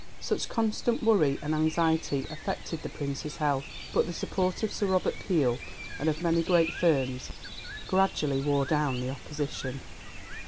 Such constant worry and anxiety affected the Prince's health, but the support of Sir Robert Peel and of many great firms gradually wore down the opposition.